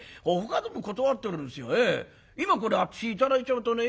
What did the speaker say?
今これ私頂いちゃうとね